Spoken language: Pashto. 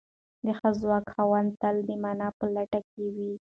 د ښه ذوق خاوندان تل د مانا په لټه کې وي.